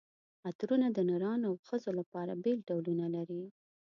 عطرونه د نرانو او ښځو لپاره بېل ډولونه لري.